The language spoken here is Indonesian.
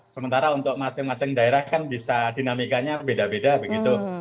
sementara untuk masing masing daerah kan bisa dinamikanya beda beda begitu